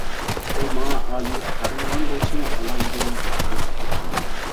ئۇ ماڭا ئالىيىپ قارىمىغان بولسىمۇ ئالايدىڭ دەپ ئۆكتە قوپتۇم.